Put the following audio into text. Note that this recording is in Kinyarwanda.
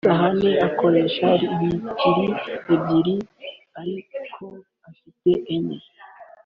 Sahane akoresha batiri ebyiri ariko afite enye